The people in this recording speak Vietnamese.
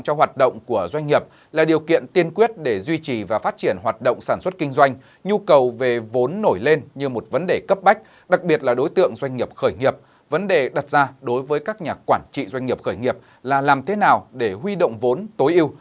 các doanh nghiệp khởi nghiệp đặc biệt là đối tượng doanh nghiệp khởi nghiệp vấn đề đặt ra đối với các nhà quản trị doanh nghiệp khởi nghiệp là làm thế nào để huy động vốn tối ưu